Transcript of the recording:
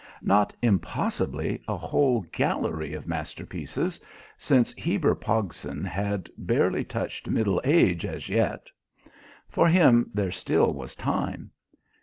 Not impossibly a whole gallery of masterpieces, since Heber Pogson had barely touched middle age as yet. For him there still was time.